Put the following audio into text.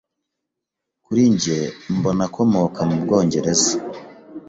Kuri njye mbona akomoka mu Bwongereza.